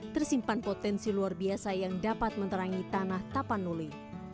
tersimpan potensi luar biasa yang dapat menerangi tanah tapanuli